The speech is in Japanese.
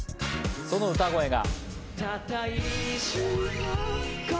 その歌声が。